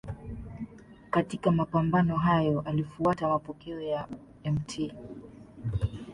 Katika mapambano hayo alifuata mapokeo ya Mt.